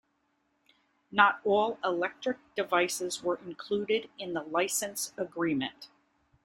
Not all electric devices were included in the licence agreement.